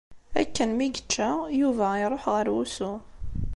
Akken mi yečča, Yuba iruḥ ɣer wusu.